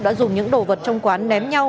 đã dùng những đồ vật trong quán ném nhau